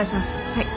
はい。